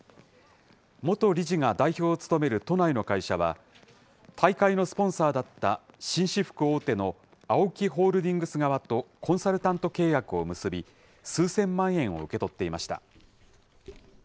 元理事が代表を務める都内の会社は、大会のスポンサーだった紳士服大手のＡＯＫＩホールディングス側とコンサルタント契約を結び、数千万円を受け取っていました。